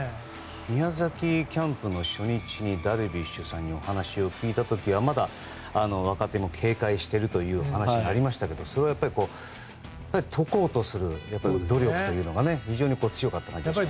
宮崎キャンプの初日にダルビッシュさんにお話を聞いた時は、まだ若手も警戒しているという話がありましたけどもそれは、それを解こうとする努力というのが非常に強かったですね。